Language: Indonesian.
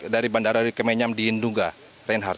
dari bandara kemenyam di indungga